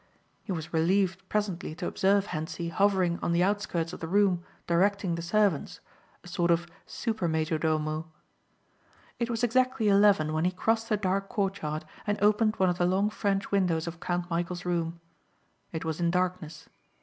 He was relieved presently to observe Hentzi hovering on the outskirts of the room directing the servants, a sort of super major domo. It was exactly eleven when he crossed the dark courtyard and opened one of the long French windows of Count Michæl's room. It was in darkness.